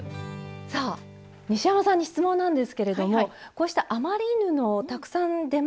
さあ西山さんに質問なんですけれどもこうした余り布たくさん出ますよね。